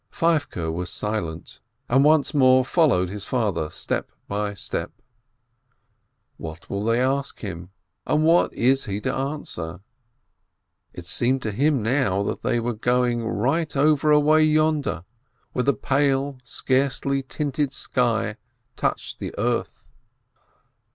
Feivke was silent, and once more followed his father step by step. What will they ask him, and what is he to answer? It seemed to him now that they were go ing right over away yonder where the pale, scarcely tinted sky touched the earth.